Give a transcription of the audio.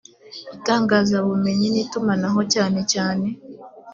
itangazabumenyi n itumanaho cyane cyane